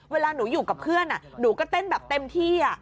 เวลาหนูอยู่กับเพื่อนหนูก็เต้นแบบเต็มที่